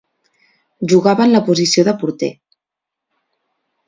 Jugava en la posició de porter.